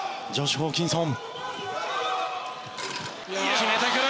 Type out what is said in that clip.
ホーキンソン！